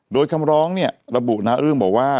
โดยคำร้องเนี่ยระบุหน้าอื้มบอกว่า